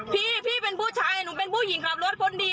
พี่พี่เป็นผู้ชายหนูเป็นผู้หญิงขับรถคนดี